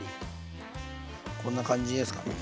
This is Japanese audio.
こんな感じですか。